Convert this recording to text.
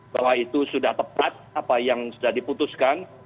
bahwa itu sudah tepat apa yang sudah diputuskan